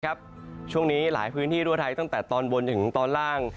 ช่วงนี้หลายพื้นที่ทั่วไทยตั้งแต่ตอนบนจนถึงตอนล่าง